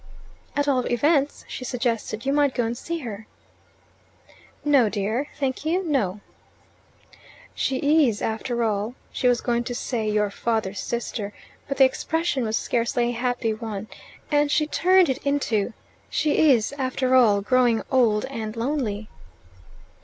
"At all events," she suggested, "you might go and see her." "No, dear. Thank you, no." "She is, after all " She was going to say "your father's sister," but the expression was scarcely a happy one, and she turned it into, "She is, after all, growing old and lonely."